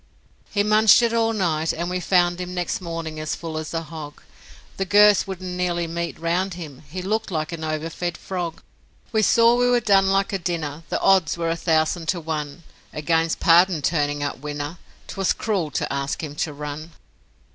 He munched it all night, and we found him Next morning as full as a hog The girths wouldn't nearly meet round him; He looked like an overfed frog. We saw we were done like a dinner The odds were a thousand to one Against Pardon turning up winner, 'Twas cruel to ask him to run.